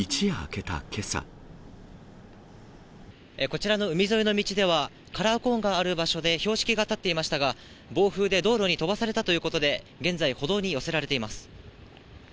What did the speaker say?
こちらの海沿いの道では、カラーコーンがある場所で標識が立っていましたが、暴風で道路に飛ばされたということで、現在、歩道に寄せられています。